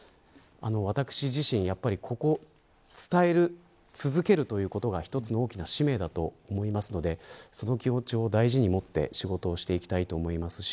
私自身伝え続けるということが一つの大きな使命だと思いますのでその気持ちを大事に持って仕事をしていきたいと思いますし